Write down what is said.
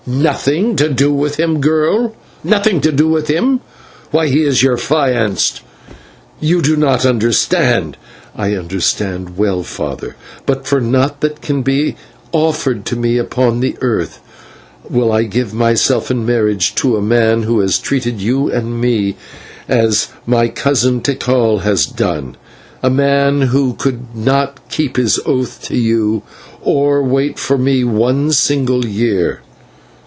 "Nothing to do with him, girl! Nothing to do with him! Why he is your affianced; you do not understand?" "I understand well, father, but for naught that can be offered to me upon the earth will I give myself in marriage to a man who has treated you and me as my cousin Tikal has done a man who could not keep his oath to you, or wait for me one single year."